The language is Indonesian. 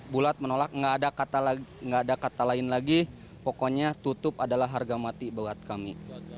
bulat menolak nggak ada kata lain lagi pokoknya tutup adalah harga mati buat kami